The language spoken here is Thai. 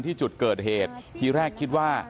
ที่จุดเกิดเหตุทีแรกคิดว่า